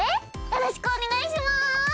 よろしくお願いします。